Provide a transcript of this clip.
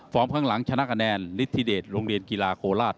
ฟอร์มข้างหลังชนะกระแนนลิธิเดชโรงเรียนกีฬาโกราช